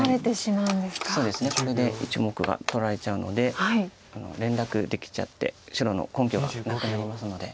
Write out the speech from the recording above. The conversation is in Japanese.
これで１目が取られちゃうので連絡できちゃって白の根拠がなくなりますので。